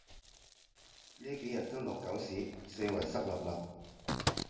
呢幾日都落狗屎，四圍濕 𣲷𣲷